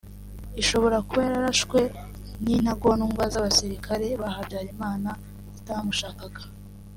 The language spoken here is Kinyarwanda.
ishobora kuba yararashwe n’intagondwa z’abasirikare ba Habyarimana zitamushakaga